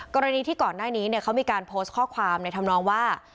กรณีที่ก่อนหน้านี้เขามีการโพสต์ข้อความในธรรมนองว่า